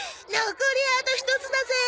残りあと１つだぜ！